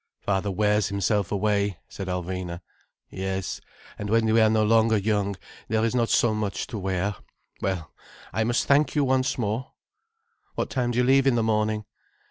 "Father wears himself away," said Alvina. "Yes, and when we are no longer young, there is not so much to wear. Well, I must thank you once more—" "What time do you leave in the morning?"